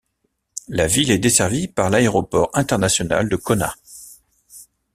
La ville est desservie par l'aéroport international de Kona.